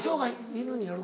犬によるか。